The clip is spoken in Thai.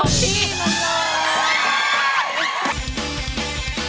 ตอบพี่มาเลย